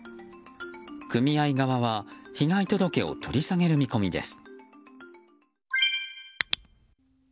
組合側は被害届を取り下げる見込みです。